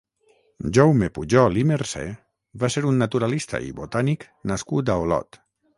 Jaume Pujol i Mercè va ser un naturalista i botànic nascut a Olot.